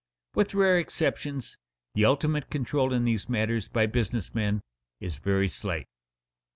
With rare exceptions the ultimate control in these matters by business men is very slight.